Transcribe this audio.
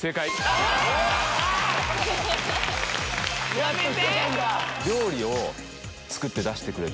やめて！